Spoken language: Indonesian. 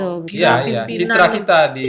iya iya citra kita di